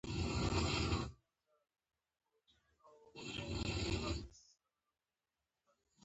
آیا کاناډا د پوهنې اداره نلري؟